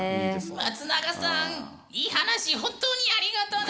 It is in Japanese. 松永さんいい話本当にありがとぬ！